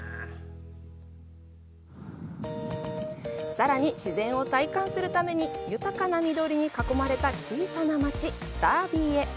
さらに自然を体感するために豊かな緑に囲まれた小さな街ダービーへ。